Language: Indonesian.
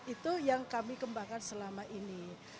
itu yang kami kembangkan selama ini